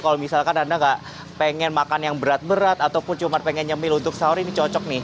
kalau misalkan anda nggak pengen makan yang berat berat ataupun cuma pengen nyemil untuk sahur ini cocok nih